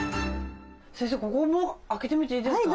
先生ここも開けてみていいですか？